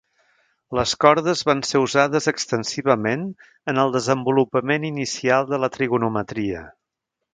Les cordes van ser usades extensivament en el desenvolupament inicial de la trigonometria.